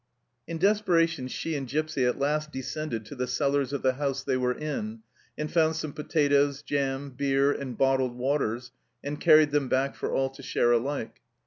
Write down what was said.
In desperation she and Gipsy at last descended to the cellars of the house they were in, and found some potatoes, jam, beer, and bottled waters, and carried them back for all to share alike.